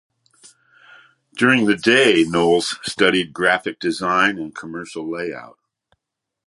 During the day, Knowles studied graphic design and commercial layout.